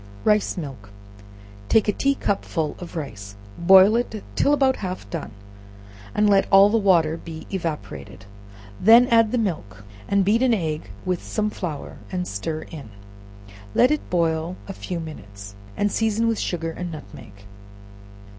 Rice Milk. Take a tea cupful of rice, boil it till about half done, and let all the water be evaporated; then add the milk, and beat an egg with some flour, and stir in; let it boil n few minutes, and season with sugar and nutmeg.